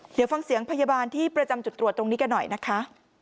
เดี๋ยวฟังเสียงพยาบาลที่ประจำจุดตรวจตรงนี้กันหน่อยนะคะ